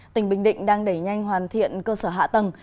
tỉnh bình định đang đẩy nhanh hoàn thiện cơ sở hạ tầng